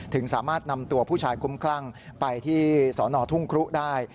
สามารถนำตัวผู้ชายคุ้มคลั่งไปที่สอนอทุ่งครุได้